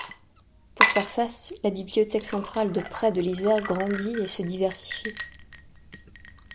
Pour faire face, la Bibliothèque centrale de prêt de l’Isère grandit et se diversifie.